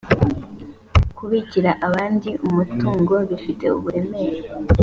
kubikira abandi umutungo bifite uburemere